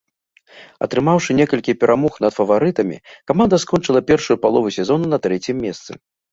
Атрымаўшы некалькі перамог над фаварытамі, каманда скончыла першую палову сезона на трэцім месцы.